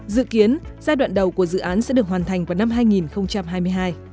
dự kiến giai đoạn đầu của dự án sẽ được hoàn thành vào năm hai nghìn hai mươi hai